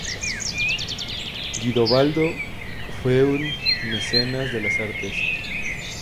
Guidobaldo fue un mecenas de las artes.